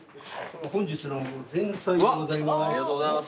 本日の前菜でございます。